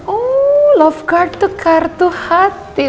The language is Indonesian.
oh love card to kartu hati